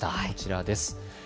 こちらです。